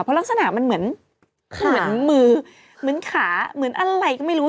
เพราะลักษณะมันเหมือนมือเหมือนขาเหมือนอะไรก็ไม่รู้